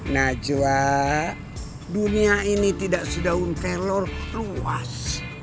najwa dunia ini tidak sedahun telur ruas